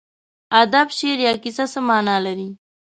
ادب، شعر یا کیسه څه مانا لري.